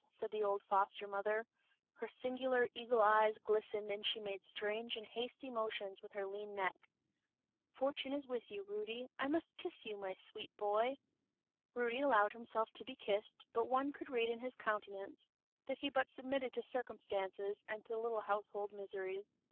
said the old foster mother, her singular eagle eyes glistened and she made strange and hasty motions with her lean neck. "Fortune is with you, Rudy, I must kiss you, my sweet boy!" Rudy allowed himself to be kissed, but one could read in his countenance, that he but submitted to circumstances and to little household miseries.